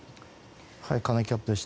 金井キャップでした。